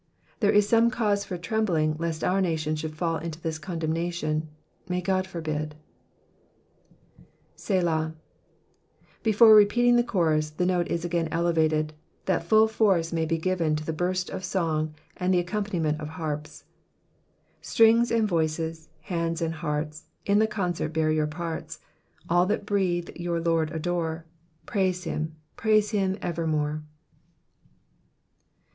There is some cause for trembling lest our nation should fall into this condemnation ; may Gk>d forbid. Digitized by VjOOQ IC PSALM THE SIXTY SBVBNTH. 207 '* Selah,'*^ Before repeating the chorus, the note is again elevated, that full force may be given to the burst of song and the accompaniment of harps. String^B and voices, hands and hearts. In the concert bear your parts ; All that breathe, your Lord adore, Praise him, Pniise hfro, evermore